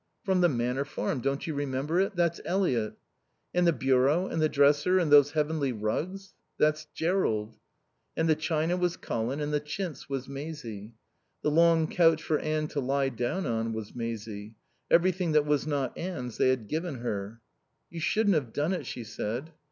"From the Manor Farm. Don't you remember it? That's Eliot." "And the bureau, and the dresser, and those heavenly rugs?" "That's Jerrold." And the china was Colin, and the chintz was Maisie. The long couch for Anne to lie down on was Maisie. Everything that was not Anne's they had given her. "You shouldn't have done it," she said.